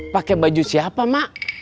pakai baju siapa mak